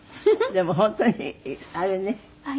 でも本当にあれね。